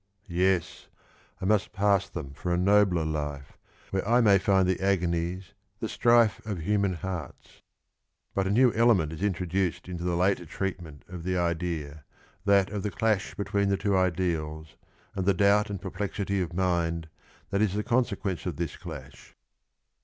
Yes, I must pass them for a nobler life, Where I may find the af^onies, the strife Of human hearts. But a new element is introduced into the later treatment of the idea, that of the clash between the two ideals, and the doubt and perplexity of mind that is the consequence of this clash.